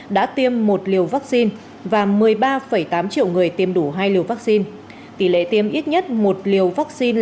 đã tiêm một liều vaccine và một mươi ba tám triệu người tiêm đủ hai liều vaccine tỷ lệ tiêm ít nhất một liều vaccine